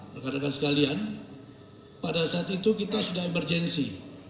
rekan rekan sekalian pada saat itu kita sudah emergensi